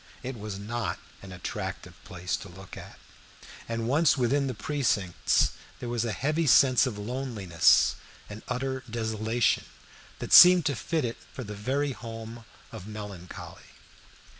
It was not an attractive place to look at, and once within the precincts there was a heavy sense of loneliness and utter desolation, that seemed to fit it for the very home of melancholy.